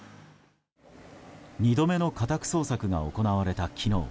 ２度目の家宅捜索が行われた昨日